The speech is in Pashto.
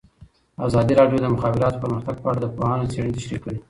ازادي راډیو د د مخابراتو پرمختګ په اړه د پوهانو څېړنې تشریح کړې.